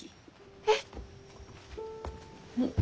えっ？